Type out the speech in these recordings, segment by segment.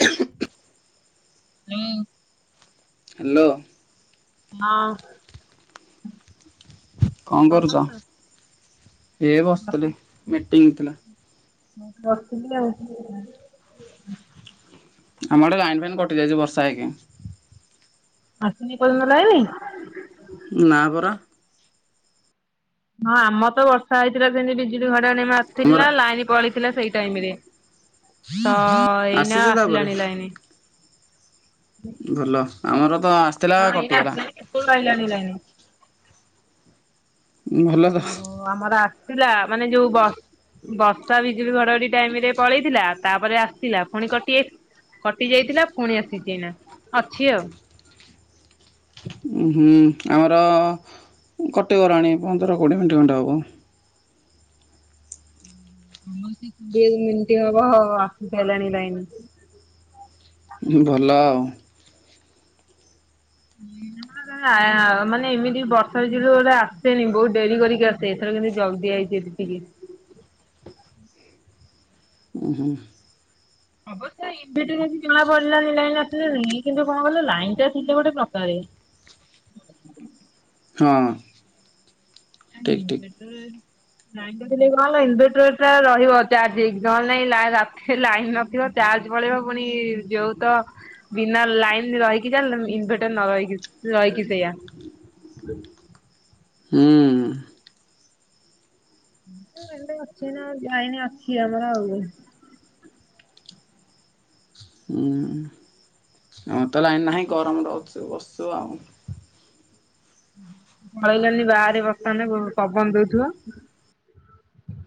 ହ ହଁ। ହ୍ୟାଲୋ। ହଁ। କଣ କରୁଛ ଏ ବସିଥିଲି ମିଟିଂ ଥିଲା। ମୁଁ ତ ବସିଥିଲି ଆଉ [unintelligible] ଆମର ଏଠେ ଲାଇନ୍ ଫାଇନ୍ କଟି ଯାଇଛି ବର୍ଷା ହେଇକି। ଆସିନି ଏପନ୍ତ ଲାଇନି? ନା ପରା। ହଁ ଆମ ତ ବର୍ଷା ହେଇଥିଲା ସେମିତି ବିଜୁଳି ଘଡଘଡି ଆମର ମାରୁଥିଲା ଲାଇନ୍ ପଳେଇଥି ଥିଲା ସେଇ ଟାଇମରେ, ତ ଏଇନା ଆସିଛି ତାପରେ ଆସିଲାଣି ଲାଇନ ଭଲ, ଆମର ତ ଆସିଥିଲା ହଁ ଏଇ କଟିଗଲା। ଆସିଲ ଲହିଲଣି ଲାଇନ ଭଲ ତ ଓହୋ, ଆମର ଆସିଥିଲା ମାନେ ଯୋଉ ବସ୍ ବର୍ଷା ବିଜୁଳି ଘଡଘଡି ଟାଇମରେ ପଳେଇଥିଲା, ତାପରେ ଆସିଥିଲା, ପୁଣି କଟି କଟି ଯାଇଥିଲା, ପୁଣି ଆସିଛି ନା ଅଛି ଆଉ ହୁଁ ଆମର କଟିଗଲାଣି ପନ୍ଦର କୋଡ଼ିଏ ମିନିଟ୍ ଖଣ୍ଡେ ହେବ। [inaudible] ମତି ହବ ହଉ ଆସ ହେଲାଣି ଲାଇନ। ଭଲ ଆଉ। ମାନେ ଏମିତି ବର୍ଷା ଯୁ ଗୋଟେ ଆସେନି, ବହୁତ ଡେରି କରିକି ଆସେ, ଏଥର ଜଲଦି ଆଇଛି ଟିକେ ହୁଁ ହୁଁ ଅବଶ୍ୟ ଏବେଠୁ ଯଦି ଜଣା ପଡିଲାନି ଲାଇନ ଆସିଲାନି କିନ୍ତୁ କଣ କହିଲ ଲାଇନ ଟା ଥିଲେ ଗୋଟେ ପ୍ରକାର। [inaudible] ହଁ ଆମ ଠିକ୍ ଠିକ୍ ଇନଭେଟରେ ଲାଇନ୍ କଟିଲେ କଣ ହେଲା ଇନଭେଟରଟା ରହିବ ଚାର୍ଜ ହେଇକି ନହେଲେ ନାଇ ରାତିରେ ଲାଇନ୍ ନଥିବ। ଚାର୍ଜ ପଳେଇବ ପୁଣି ଯୋଉ ତ ବିନା ଲାଇନରେ ରହିକି ଯାହା ଇନଭଟର ନ ରହିକି ରହିକି ସେୟା। ହୁଁ ସେମିତି ଅଛି ନା ଲାଇନ୍ ଆଖି ଆମର ଆଉ। ହୁଁ ଆମର ତ ଲାଇନ ନାହିଁ, ଗରମରେ ଅଛୁ ବସୁଛୁ ଆଉ। ପଳେଇଗଲିନି ବାହାରେ ବସିଥାନ୍ତେ ପବନ ଦଉଥିବ। [inaudible]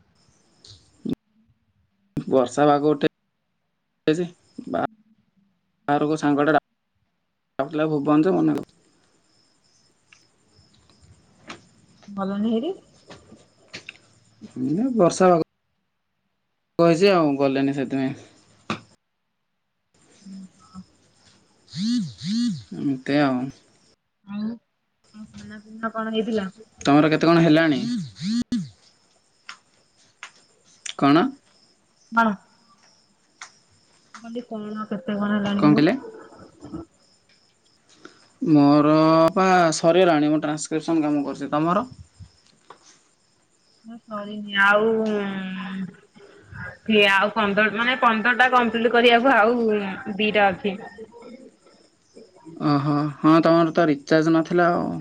ବର୍ଷା ବାଗ ଗୋଟେ ଯେ ବାହାରକୁ ସାଙ୍ଗଟେ ଡାକୁଥିଲା ଭୂବନ ଯେ ମନା କଲି। ଗଲ ନେହେରି। ବର୍ଷା ପାଗ। କହିଛି ଆଉ ଗଲେନି ସେଥିପାଇଁ। [inaudible] ଏମିତି ଆଉ ଆଉ ଆଉ ଖାନା ପିନା କଣ ହେଇଥିଲା? ତମର କେତେ କଣ ହେଲାଣି? କଣ? ହଣ [unintelligible] ମୁଁ କହିଲି କଣ କେତେ କଣ ହେଲାଣିି ମାନେ? ମୋର ପା ସରିଗଲାଣି, ମୁଁ ଟ୍ରାନ୍ସକ୍ରିପସନ୍ କାମ କରୁଛି? ତମର। ମୋର ସରିନି ଆଉ ସେ ଆଉ ପନ୍ଦର ମାନେ ପନ୍ଦର ଟା କମ୍ପ୍ଲିଟ କରିବାକୁ ଆଉ ଦିଟା ଅଛି। [inaudible] ଓହୋ, ହଁ ତମର ତ ରିଚାର୍ଜ ନଥିଲା ଆଉ।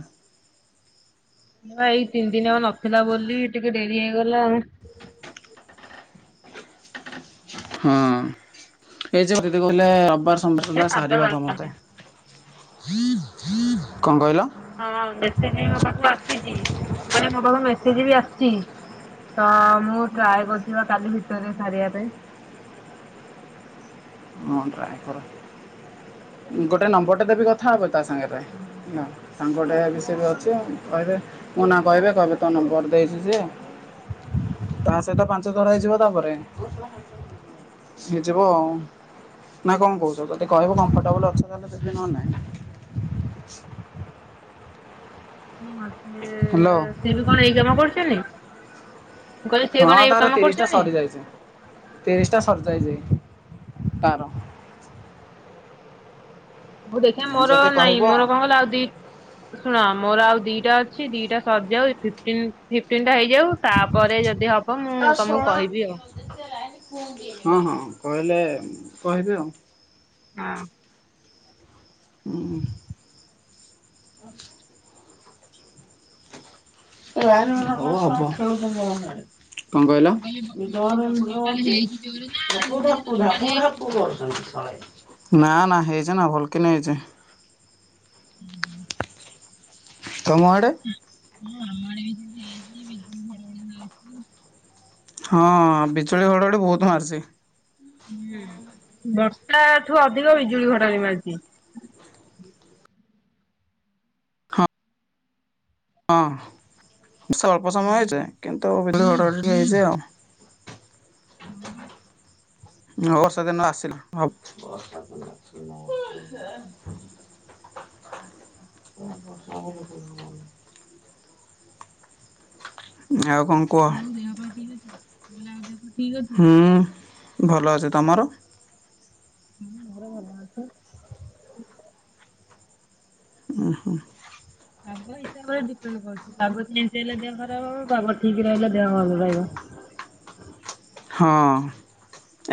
ଏଇ ତିନି ଦିନ ହବ ନଥିଲା ବୋଲି ଟିକେ ଡେରି ହେଇଗଲା ଆ। ହଁ ଏଇ ଯିବ ଦିଦି କୋହୁଥିଲେ ରବିବାର ସୋମବାର ଏ ସୁଦ୍ଧା ସାଧା ସାରିବ ଦରକାର ସମସ୍ତେ। କଣ କହିଲ? ହଁ ମେସେଜ ବି ମୋ ପାଖକୁ ଆସିଛି ମୁଁ କହିଲି ମୋ ପାଖ ମେସେଜ ବି ଆସିଛି। ତ ମୁଁ ଟ୍ରାଏ କରିୁଛି ପା, କାଲି ଭିତରେ ସାରିବା ପାଇଁ। [inaudible] ହଁ ଟ୍ରାଏ କର ଗୋଟେ ନମ୍ବର ଟେ ଦେବି କଥା ହବ ତା ସାଙ୍ଗେରେ ନା ସା ବଢିଆ ବିଷୟ ବି ଅଛି କହିବେ ମୋ ନା କହିବେ କହିବେ ତୋ ନମ୍ବର ଦେଇଛି ସିଏ। ତା ସହିତ ପାଞ୍ଚ ଥର ହେଇଯିବ, ତାପରେ ସିଏ ହେଇଯିବ ଆଉ। ନା କଣ କହୁଛ? ଯଦି କହିବ କମ୍ଫର୍ଟେବୁଲ ଅଛ ତାହେଲେ ଯିବି ନହେଲେ ନାହିଁ। [unintelligible] ସେ ହ୍ୟାଲୋ ସି ବି କଣ ଏଇ କାମ କରୁଛନ୍ତି? ମୁଁ କହିଲି ସିଏ ହଁ କଣ ଏଇ ତାର କାମ ତିରିଶ ଟା କରୁଛନ୍ତି? ସରିଯାଇଛି ତିରିଶ ଟା ସରିଯାଇଛି। ତାର ହଉ ଦେଖିବା ମୋର ଯଦି ନାଇଁ, କହିବ ମୋର କଣ ହେଲା ଆଉ ଦି ଶୁଣ ମୋର ଆଉ ଦିଟା ଅଛି ଦିଟା ସରିଯାଉ ଫିଫ୍ଟିନ୍ ଫିଫ୍ଟିନ। ହେଇଯାଉ, ତାପରେ ଯଦି ହବ ମୁଁ ତମକୁ କହିବି ଆଉ। ହଁ ହଁ କହିଲେ କହିବି ଆଉ। [unintelligible] ହୁଁ [unintelligible] କହିଲି ବର୍ଷ କଣ କହିଲ ମୁଁ କହିଲି ମୁଁ [unintelligible] କହିଲି ବିଜନ୍ଦ ବର୍ଷା ତାହେଲେ ରହୁଛି ହେଇଛି ଜୋରେ ନା ବୁ ବୁଢ ସେଇ ବୁଢା ନର୍ମାଲି ହେଇଛି? ପୁଅ କରଛନ୍ତିଳେ ନା ନା ହେଇଛ ନା ଭଲକେ ନେଇ ହେଇଛେ ତମ ଆଡେ ଆମାଳେ ବିଜ ନେଇକି ବିଜ ଗଡ଼ଡ଼ି ନକ [unintelligible] ହଁ, ବିଜୁଳି ଘଡଘଡି ବହୁତ ମାରିଛି। ହୁଁ ବର୍ଷା ଠୁ ଅଧିକ ବିଜୁଳି ଘଡଘଡି ମାରଛି। ହଁ ହଁ ଅଳ୍ପ ସମୟ ହେଛି କିନ୍ତୁ ନେଇଯ ଆଉ [unintelligible] ହ ବା [inaudible] ଅବର୍ଷ ଦିନ ଆସ ହ [unintelligible] [inaudible] ହଷ [unintelligible] ଆଉ କଣ କୁହ ହଉ ଦେହା ପା ଭ ଆଉ ଦେ [unintelligible] ହୁଁ ଭଲ ଅଛି, ତମର ହଁ ମର ଭମାଛ [unintelligible] ଓ ହୋ ପାଗ ହିସାବରେଡି କରୁ ପାଗ କେମତି ହେଲେ ଦେହ ଖରାପ ହବ ପାଗ ଠିକ ରହିଲେ ଦେହ ଭଲ ରହିବ [inaudible] ହଁ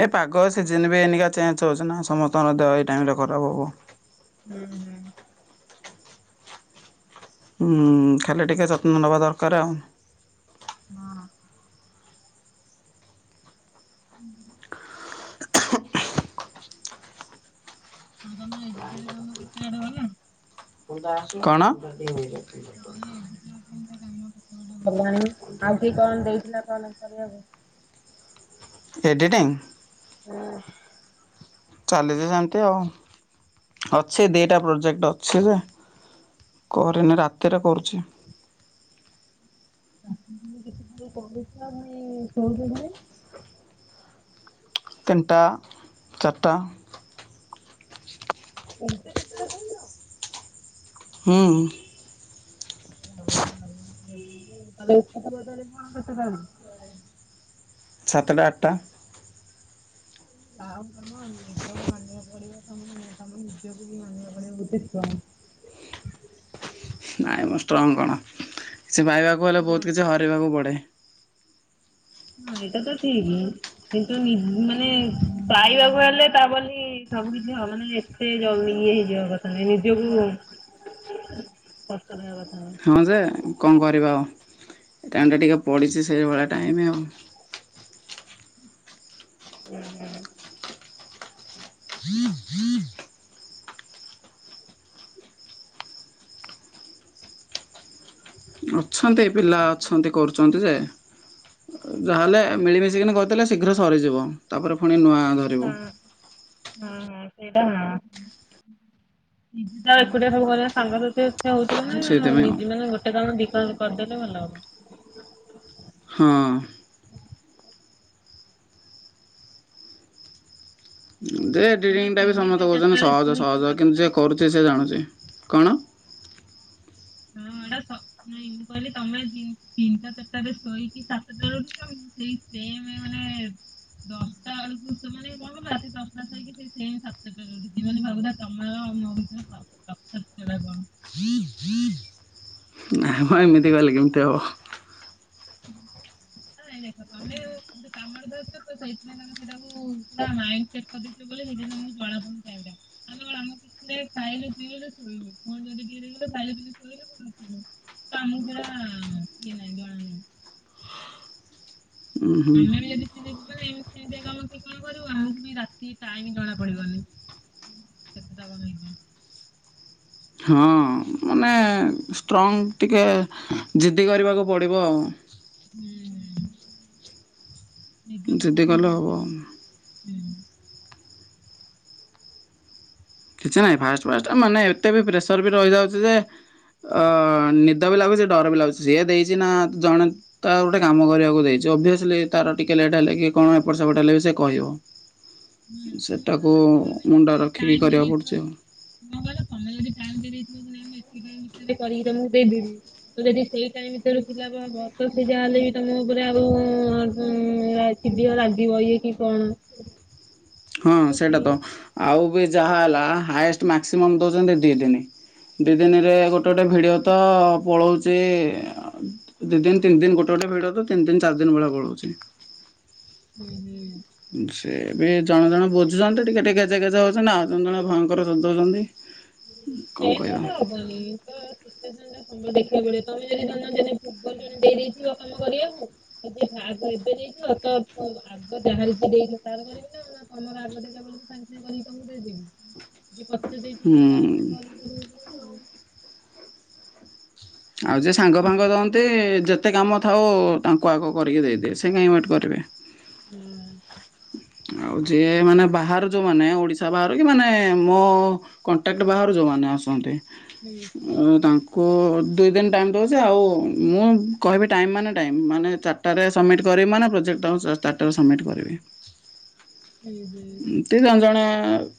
ଏ ପାଗ ସିଜନ ବି ଏ ଚେଞ୍ଜ ହଉଛି ନା ସମସ୍ତଙ୍କ ଦେହ ଏଇ ଟାଇ ରେ ଖରାପ ହବ ହୁଁ ହୁଁ। ଖାଲି ଟିକେ ଯତ୍ନ ନେବା ଦରକାର ଆଉ ହଁ ହୁଁ [inaudible] ହଁ ତମ ଏଇ କାମ କେତେ ଆଡେ ଗଲା କଣ? ନ [unintelligible] ଣ ଗଲାଣି ଆଉଠ କଣ ଦେଇଥିଲା, କଣ କରିବାକୁ ଏଡିଟିଂ ଚାଲିଛି ସେମିତି ଆଉ, ଅଛି ଦିଟା ପ୍ରୋଜେକ୍ଟ ଅଛି ଯେ କରିନି ରାତିରେ କରୁଛି। [inaudible] କ ସରେ [unintelligible] ତିନଟା ଚାରଟା ଏତି ହୁଁ [inaudible] ତାଲେ [inaudible] କଣ କେତେ ଦାମ୍? ସାତଟା ଆଠଟା। ଉଁ ହୋଉ ତମ ନିଦକୁ ମାନିବାକୁ ପଡ଼ିବ ତମେ ତମ ନିଜକୁ ବି ମାନିବାକୁ ପଡ଼ିବ ଗୋଟେ ଷ୍ଟ୍ରଙ୍ଗ। [inaudible] ନାଇଁ ମ ଷ୍ଟ୍ରଙ୍ଗ୍ କଣ? କିଛି ପାଇବାକୁ ହେଲେ ବୋହୁତ କିଛି ହରେଇବାକୁ ପଡ଼େ। ହଁ ଏଇଟା ତ ଠିକ କିନ୍ତୁ ନି ମାନେ ପାଇବାକୁ ହେଲେ ତା ବୋଲି ସବୁ କିଛି ହ ମାନେ ଏତେ ଜଲ୍ଦୀ ଇଏ ହେଇଯିବା କଥା ନୁହେଁ ନିଜକୁ କଷ୍ଟ ଦେବା କ ହଁ ଯେ କଣ କରିବା ଆଉ। ଏ ଟାଇମ୍ ଟା ଟିକେ ପଡ଼ିଚି ସେଇ ଭଳିଆ ଟାଇମ୍ ଆଉ। ଉଁ ହୁଁ। ହ ଅଛନ୍ତି ପିଲା ଅଛନ୍ତି କରୁଚନ୍ତି ଯେ। ଅ ଯାହା ହେଲେ ମିଳିମିଶିକିନି କରିଦେଲେ ଶୀଘ୍ର ସରିଯିବ ତାପରେ ଫୁଣି ନୂଆ ଧରିବୁ ହଁ ହୁଁ ହୁଁ। ଏଇଟା ହଁ ନିଜେ ତ ଏକୁଟିଆ ସବୁ କରିବ ସଙ୍ଗ ସାଥୀ ଯେ ହୋଉଚ ନାଁ ସେଇଥିପାଇଁ ଆଉ। ନିଜେ ମାନେ ଗୋଟେ ଦଣ ଦି ଫାଳ କରିଦେଲେ ଭଲ ହବ। ହଁ। ଉଁ ଯେ ତମେ ଏଡ଼ିଟିଙ୍ଗ୍ ଟା ବି ତିନିଟା ସମସ୍ତେ କହୁଚନ୍ତି ଚାରିଟାରେ ସହଜ ଶୋଇକି ସହଜ କିନ୍ତୁ ସାତଟା ଯିଏ କରୁଚି ସିଏ ଜାଣୁଚି। କଣ? ହଁ ଏଟା ସ ନାଇଁ ମୁଁ କହିଲି ତମେ ଦି ତିନିଟା ଚାରିଟାରେ ଶୋଇକି ସାତଟାରେ ଉଠୁଚ। ସେଇ ସେମ୍ ମାନେ ଦଶଟା ଅଳକୁ ଶୋ ମାନେ କଁ କହିଲ ଦଶଟା ସାରିକି ସେ ସେମ୍ ସାତଟାରେ ଉଠୁଚି ମାନେ ଭାବୁଥା ତମର ଓ ମୋ ଭିତରେ ପ ତଫାତଟା କଣ। ହୁଁ ହୁଁ ନାଇଁ ମ ଏମିତି କହିଲେ କେମିତି ହବ? ହୁଁ। ନାଇଁ ଦେଖ ତମେ ଦେ କାମଟେ ଧରିଚ ତ ସେଇଥିପାଇଁ ତମେ ସେଟାକୁ ପୁରା ମାଇଣ୍ଡ୍ ସେଟ୍ କରିଦେଇଚ ବୋ ଓଲି ନିଜେ ତମୁକୁ ଜଣା ପଡୁନି ଟାଇମ୍ ଟା ଆମେ କଣ ଆମ ଖୁସିରେ ଖାଇଲୁ ପିଇଲୁ ଶୋଇବୁ ଫୋନ୍ ଯଦି ଟିକେ ଦେଖିଲୁ ଶାଢ଼ୀ ପିନ୍ଧିକି ଶୋଇଲୁ [inaudible] ତ ଆମୁକୁ ପୁରା ଇଏ ନାହିଁ ଜଣା ନାହିଁ। ଉଁ ହୁଁ। ଆମେ ବି ଯଦି ସେଇଠି ବ ମାନେ ଏମିତି ସେମିତିଆ କାମ କିଏ କଣ କରିବ ଆମକୁ ବି ରାତି ଟାଇମ୍ ଜଣା ପଡ଼ିବନି। କେତଟା କଣି ହେଇଚି। ହଁ ମାନେ ଷ୍ଟ୍ରଙ୍ଗ ଟିକେ ଜିଦ୍ଦି କରିବାକୁ ପଡ଼ିବ ଆଉ। ହୁଁ ହୁଁ ନିଜକୁ ତ ଜିଦ୍ଦି କଲେ [unintelligible] ହବ। ହୁଁ। କିଛି ନାହିଁ ଫାଷ୍ଟ୍ ଫାଷ୍ଟ୍ ମାନେ ଏତେ ବି ପ୍ରେସର୍ ବି ରହିଯାଉଚି ଯେ ଅ ନିଦ ବି ଲାଗୁଚି ଡର ବି ଲାଗୁଚି ସିଏ ଦେଇଚି ନାଁ ଜଣେ ତାର ଗୋଟେ କାମ କରିବାକୁ ଦେଇଚି। ଯେ ଅଭିଅସ୍ଲି ତାର ଟିକିଏ ଲେଟ୍ ହେଲେ କି କଣ ଏପଟ ସେପଟେ ହେଲେ ବି ସିଏ କହିବ। ହୁଁ ତମେ ସେଟାକୁ ନହେଲେ ଆଉ ତମର ବି ମୁଣ୍ଡ ଯଦି ରଖିକି ଟାଇମ୍ ଦେଇ କରିବାକୁ ଦେଇଥିବ ପଡୁଛି ଆଉ। କଁ କହିଲ ତମେ ଯଦି ଟାଇମ୍ ଦେଇ ଦେଇଥିବ କି ନାଇଁ ମୁଁ ଏ କି ଟାଇମ୍ ଭିତରେ କରିକି ତମୁକୁ ଦେଇ ଦେବି। ତ ଯେଦି ସେଇ ଟାଇମ ଭିତରୁ ଖିଲାପ ହବ ତ ସିଏ ଯାହା ହେଲେ ବି ତମ ଉପରେ ଆଉ ଉଁ ଏ କି ଦିଅ ରାଗିବ ଇଏ କି କଣ। ହଁ ସେଇଟା ତ ଆଉ ବି ଯାହା ହେଲା ହାଏଷ୍ଟ୍ ମାକ୍ସିମମ୍ ଦୋଉଚନ୍ତି ଦି ଦିନି। ଦି ଦିନିରେ ଗୋଟେ ଗୋଟେ ଭିଡ଼ିଓ ତ ପଳଉଚି ଦି ଦିନ ତିନି ଦିନ ଗୋଟେ ଲେ ଭିଡ଼ୁଅ ତ ତିନ ଦିନ୍ ଚାର୍ ଦିନ୍ ଭଳିଆ ପଳଉଚି। ହୁଁ ହୁଁ। ସିଏ ବି ଜଣେ ଜଣେ ବୁଝୁଚନ୍ତି ଟିକେ ଟିକେ ଗେଜେ ଗେଜେ ହଉଚନ୍ତି ଆଉ ଜଣେ ଜଣେ ଭୟଙ୍କର ସଦଉଚନ୍ତି। ଏନ୍ତି ହେଲେ ହବନି ତ ସିଚୁଏସନ୍ ଟା ସବୁ ଦେଖିଆ ପଡ଼ିବ ତମେ ଯଦି ଧନ ଯେନେ ଭୁବନ ଜଣେ ଦେଇ ଦେଇଥିବ କାମ କରିଆକୁ ଯଦି ଆଗ ଏବେ ଦେଇଥିବ ତ ତ ଆଗ ଯାହାର ଯିଏ ଦେଇଚ ତାର କରିବ ନାଁ ତମର ଆଗ ଦେଲ ବୋ ସାଙ୍ଗେ ସାଙ୍ଗେ କରିକି ତମକୁ ଦେଇଦବି ଯିଏ ପଛରେ ଦେଇଛି ହୁଁ। ପୁଣି ତାର ବି କରିକି ଦବାକୁ ପଡିବ ନା ନାଇ। ଆଉ ଯିଏ ସାଙ୍ଗ ଫାଙ୍ଗ ନାଇଁ। ଦଅନ୍ତି ଯେ ତେକେତେ କାମ ଥାଉ ତାଙ୍କୁ ଆଗ କରିକି ଦେଇଦିଏ ସେ କାହିଁ ୱେଟ୍ କରିବେ। ହୁଁ। ଆଉ ଯିଏ ମାନେ ବାହାରୁ ଯୋଉ ମାନ ଓଡିଶା ବାହାରୁ କି ମାନେ ମୋ କଣ୍ଟାକ୍ଟ ବାହାରୁ ଯୋଉ ମାନେ ଆସନ୍ତି ହଁ ହୁଁ। ମୁଁ ତାଙ୍କୁ ଦୁଇ ଦିନ ଟାଇମ୍ ଦଉଛି ଆଉ ମୁଁ କହିବି ଟାଇମ୍ ମାନେ ଟାଇମ୍ ମାନେ ଚାରିଟାରେ ସବମିଟ୍ କରିବି ମାନେ ପ୍ରୋଜେକ୍ଟ ତାଙ୍କୁ ଚାରିଟା ଟାଟା ରେ ସବମିଟ୍ କରିବି। [inaudible] ହୁଁ ହୁଁ ଏମିତି ଜଣେ ଜଣେ।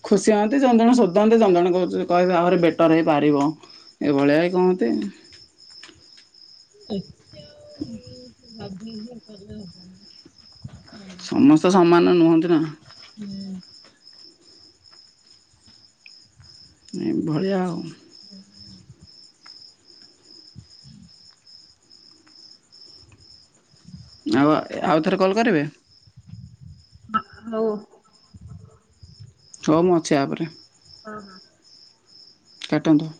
ଖୁସି ହନ୍ତି ଜଣେ ଜଣେ ଶୋଧାନ୍ତି ଜଣେ ଜଣେ କହିବେ ତୁ କହିବେ ଆହୁରି ବେଟର ହେଇପାରିବ ଏଇଭଳିଆ କୁହନ୍ତି। ଏଇ। ଉଁ। ଲଭଲି ଦିଦି କରିବା କଥା ନୁହ। ସମସ୍ତେ ସମାନ ନୁହନ୍ତି ନା। ଇଏ। ଏଭଳିଆ ଆଉ। ଆଉ ଆଉ ଥରେ କଲ୍ କରିବେ। ହଉ। ହଉ ମୁଁ ଅଛି ଆପରେ। ହଁ ହଁ। କାଟନ୍ତୁ।